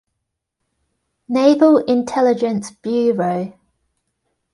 Naval Intelligence Bureau.